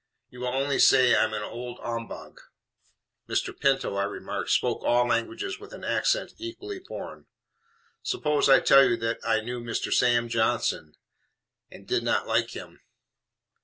You will only say I am an old ombog." (Mr. Pinto, I remarked, spoke all languages with an accent equally foreign.) "Suppose I tell you that I knew Mr. Sam Johnson, and did not like him?